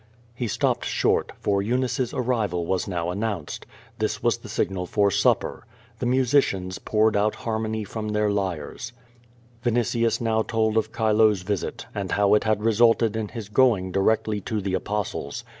lie stopped short, for Eunice's arrival was now announced. This was the signal for supper. The musicians poured out harmony from their lyres. Vinitius now told of Chilo's visit, and how it had resulted in his going directly to the Apostles.